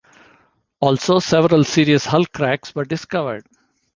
Also, several serious hull cracks were discovered.